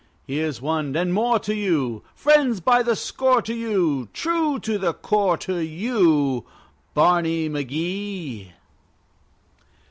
Here's one and more to you! Friends by the score to you, True to the core to you, Barney McGee!